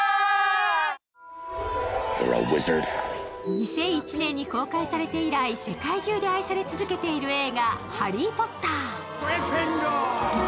２００１年に公開されて以来、世界中で愛され続けている映画「ハリー・ポッター」。